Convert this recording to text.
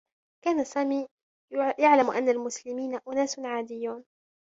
كان سامي يعلم أنّ المسلمين أناس عاديّون.